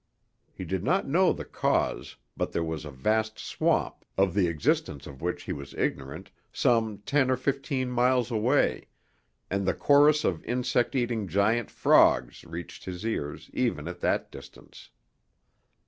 He did not know the cause, but there was a vast swamp, of the existence of which he was ignorant, some ten or fifteen miles away, and the chorus of insect eating giant frogs reached his ears even at that distance.